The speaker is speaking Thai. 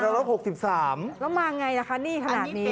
แล้วมาไงล่ะคะนี่ขนาดนี้